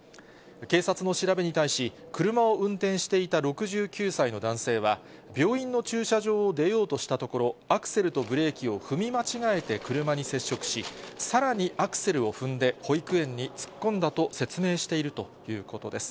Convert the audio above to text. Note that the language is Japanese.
警察の調べに対し、車を運転していた６９歳の男性は、病院の駐車場を出ようとしたところ、アクセルとブレーキを踏み間違えて車に接触し、さらにアクセルを踏んで、保育園に突っ込んだと説明しているということです。